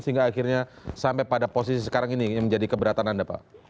sehingga akhirnya sampai pada posisi sekarang ini yang menjadi keberatan anda pak